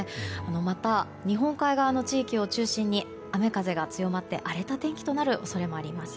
また、日本海側の地域を中心に雨風が強まって荒れた天気となる恐れもあります。